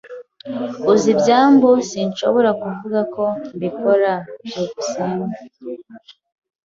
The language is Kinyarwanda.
"Uzi byambo, si byo?" "Sinshobora kuvuga ko mbikora." byukusenge